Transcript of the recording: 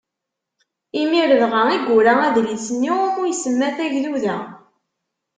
Imir dɣa i yura adlis-nni iwmi isemma Tagduda